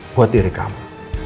buat diri kamu